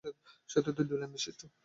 সেতুটি দুই লেন বিশিষ্ট।